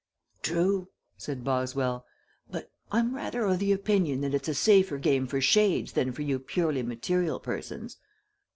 "True," said Boswell; "but I'm rather of the opinion that it's a safer game for shades than for you purely material persons."